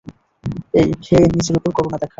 এই, খেয়ে নিজের ওপর করুণা দেখা।